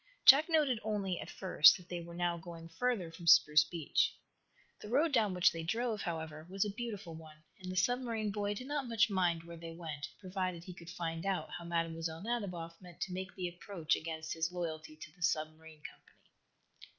Jack noted only, at first, that they were now going further from Spruce Beach. The road down which they drove, however, was a beautiful one, and the submarine boy did not much mind where they went, provided he could find out how Mlle. Nadiboff meant to make the approach against his loyalty to the submarine company.